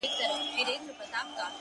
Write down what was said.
• ټول مېږي وه خو هر ګوره سره بېل وه,